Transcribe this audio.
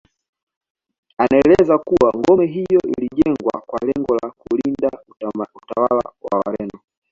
Anaeleza kuwa ngome hiyo ilijengwa kwa lengo la kulinda utawala wa Wareno